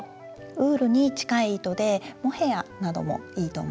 ウールに近い糸でモヘヤなどもいいと思います。